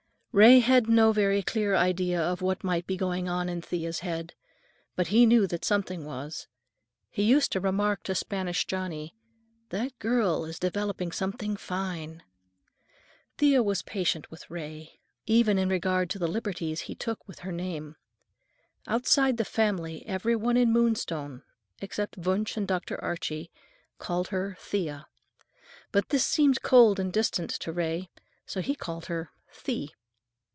Ray had no very clear idea of what might be going on in Thea's head, but he knew that something was. He used to remark to Spanish Johnny, "That girl is developing something fine." Thea was patient with Ray, even in regard to the liberties he took with her name. Outside the family, every one in Moonstone, except Wunsch and Dr. Archie, called her "Thee a," but this seemed cold and distant to Ray, so he called her "Thee."